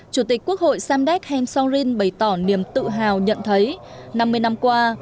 chủ tịch quốc hội samdek heng songrin bày tỏ niềm tự hào nhận thấy năm mươi năm qua